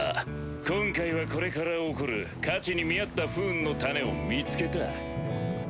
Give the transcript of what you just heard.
今回はこれから起こる価値に見合った不運の種を見つけた。